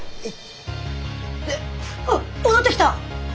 あっ戻ってきた！